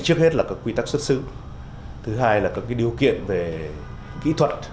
trước hết là các quy tắc xuất xứ thứ hai là các điều kiện về kỹ thuật